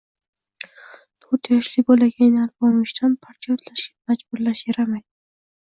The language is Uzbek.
To‘rt yoshli bolakayni “Alpomish”dan parcha yodlashga majburlash yaramaydi.